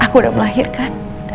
aku uda melahirkan